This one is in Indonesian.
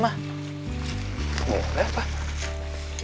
mau lah apa